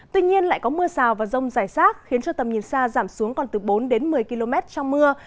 tuy nhiên lại có mưa rào và rông rải rác khiến cho tầm nhìn xa giảm xuống còn từ bốn đến một mươi km trong mưa